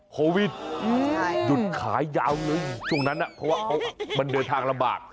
โควิดหยุดขายยาวเลยช่วงนั้นเพราะว่ามันเดินทางลำบาก